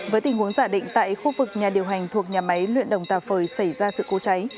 với tình huống giả định tại khu vực nhà điều hành thuộc nhà máy luyện đồng tà phời xảy ra sự cố cháy